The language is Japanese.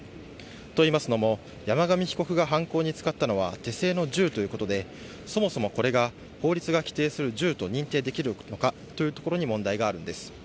といいますのも、山上被告が犯行に使ったのは手製の銃ということで、そもそもこれが法律が規定する銃と認定できるのかというところに問題があるんです。